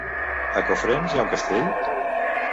A Cofrents hi ha un castell?